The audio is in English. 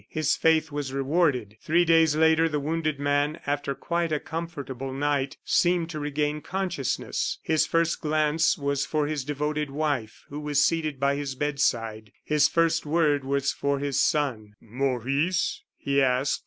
His faith was rewarded. Three days later the wounded man, after quite a comfortable night, seemed to regain consciousness. His first glance was for his devoted wife, who was seated by his bedside; his first word was for his son. "Maurice?" he asked.